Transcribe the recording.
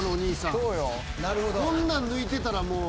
そんなん抜いてたらもう。